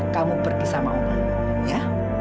kamu pergi sama mama ya